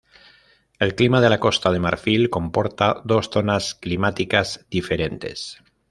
El clima de la Costa de Marfil comporta dos zonas climáticas diferentes.